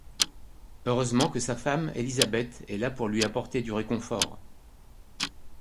Heureusement que sa femme, Elizabeth, est là pour lui apporter du réconfort.